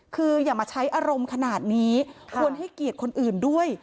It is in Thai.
คืออย่ามาใช้อารมณ์ขนาดนี้ควรให้เกียรติคนอื่นด้วย